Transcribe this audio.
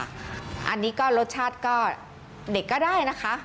อันนี้ก็รสชาติก็เด็กก็ได้นะคะ